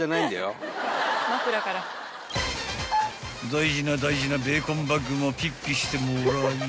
［大事な大事なベーコンバッグもピッピしてもらい］